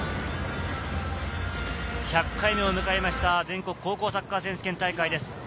１００回目を迎えました全国高校サッカー選手権大会です。